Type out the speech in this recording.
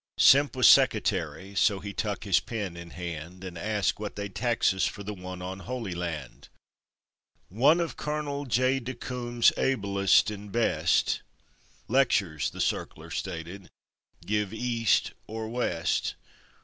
Simp was secatary; so he tuck his pen in hand, And ast what they'd tax us for the one on "Holy Land" "One of Colonel J. De Koombs Abelust and Best Lecturs," the circ'lar stated, "Give East er West!"